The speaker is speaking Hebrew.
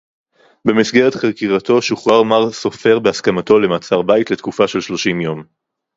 במסגרת חקירתו שוחרר מר סופר בהסכמתו למעצר בית לתקופה של שלושים יום